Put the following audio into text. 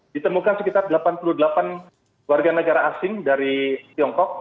ditemukan sekitar delapan puluh delapan warga negara asing dari tiongkok